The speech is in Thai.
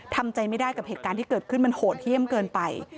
ทำใจไม่ได้กับเหตุการณ์ที่เกิดขึ้นมันโหดเยี่ยมเกินไป